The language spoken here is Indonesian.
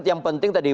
yang penting tadi